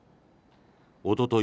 おととい